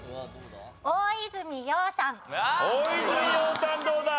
大泉洋さんどうだ？